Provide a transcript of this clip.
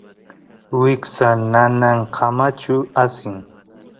wiksa nanankamachu asin